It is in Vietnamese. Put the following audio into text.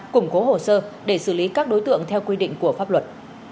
củng cố hồ sơ để xử lý các đối tượng theo quy định của pháp luật